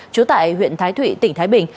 chú tại huyện thái thụy tỉnh thái bình